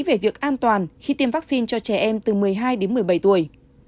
về việc an toàn khi tiêm vaccine cho trẻ em từ một mươi hai đến một mươi bảy tuổi